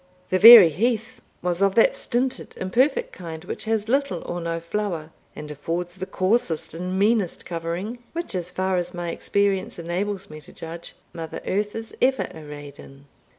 The very heath was of that stinted imperfect kind which has little or no flower, and affords the coarsest and meanest covering, which, as far as my experience enables me to judge, mother Earth is ever arrayed in.